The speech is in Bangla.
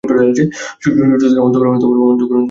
সুচরিতার অন্তঃকরণ কুণ্ঠিত হইয়া পড়িল।